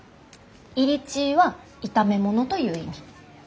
「イリチー」は炒め物という意味。